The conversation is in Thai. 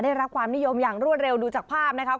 ได้รับความนิยมอย่างรวดเร็วดูจากภาพนะครับ